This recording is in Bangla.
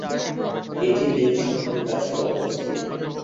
এটি লিল শহরের কাছে অবস্থিত।